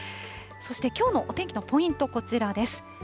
そしてきょうのお天気のポイント、こちらです。